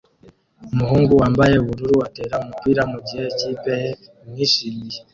Umuhungu wambaye ubururu atera umupira mugihe ikipe ye imwishimiye